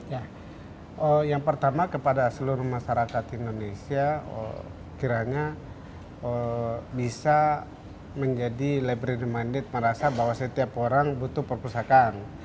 ya yang pertama kepada seluruh masyarakat indonesia kiranya bisa menjadi labray the minded merasa bahwa setiap orang butuh perpustakaan